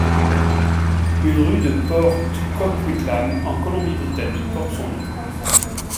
Une rue de Port Coquitlam en Colombie-Britannique porte son nom.